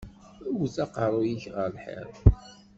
Wwet aqeṛṛu-k ar lḥiḍ!